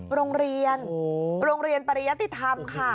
โรงเรียนโรงเรียนปริยติธรรมค่ะ